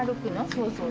そうそう。